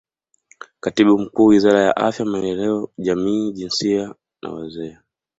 Katibu Mkuu Wizara ya Afya Maendeleo ya Jamii Jinsia Wazee